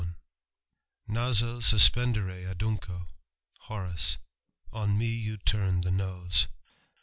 {( Naso suspendere adunco, Hoiu On me you turn the nose.